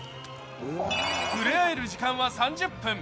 触れ合える時間は３０分。